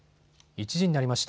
１時になりました。